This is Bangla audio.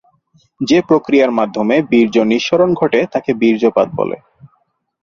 যে প্রক্রিয়ার মাধ্যমে বীর্য নিঃসরণ ঘটে তাকে বীর্যপাত বলে।